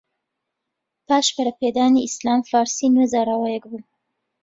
پاش پەرەپێدانی ئیسلام، فارسی نوێ زاراوەیەک بوو